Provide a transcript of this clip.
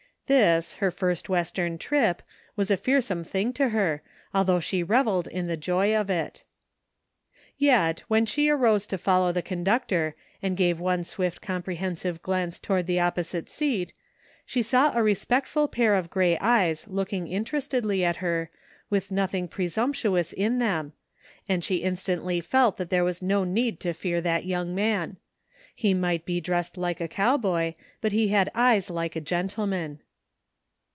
This, her first Western trip, was a fearsome thing to her, although she revelled in the joy of it Yet, when she arose to follow the o>nductor and gave one swift comprehensive glance toward the op posite seat, she saw a respectful pair of gray eyes look ing interestedly at her, with nothing presumptuous in them, and she instantly felt that there was no need to fear that young man. He might be dressed like a cow boy, but he had eyes like a gentleman.